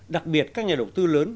đặc biệt các nhà đầu tư lớn